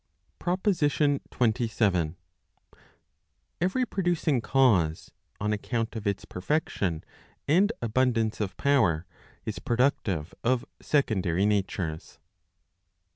PROPOSITION XXVII. Every producing cause, on account of its perfection, and abundance of power, is productive of secondary natures.